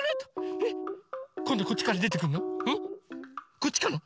こっちかな？